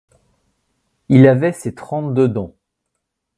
Il avait ses trente-deux dents.